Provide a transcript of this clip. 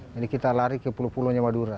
jadi kita lari ke pulau pulau madura